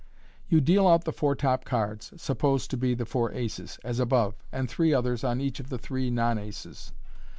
You deal out the four top cards (supposed to be the four aces), as above, and three others on each of the three non aces.